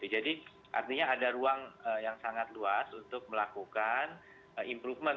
jadi artinya ada ruang yang sangat luas untuk melakukan improvement